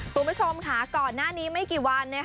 คุณผู้ชมค่ะก่อนหน้านี้ไม่กี่วัน